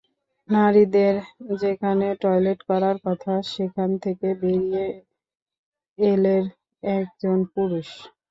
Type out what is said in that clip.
নারীদের যেখানে টয়লেট করার কথা, সেখান থেকে বেরিয়ে এলের একজন পুরুষ।